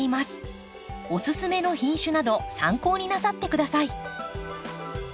オススメの品種など参考になさって下さい。